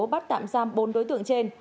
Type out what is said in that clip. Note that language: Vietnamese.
bắt tạm giam bốn đối tượng trên